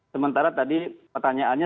sementara tadi pertanyaannya